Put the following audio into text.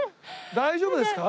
大丈夫ですか？